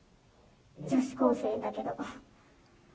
女子高生だけど。